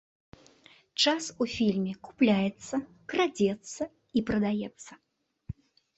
Час у фільме купляецца, крадзецца і прадаецца.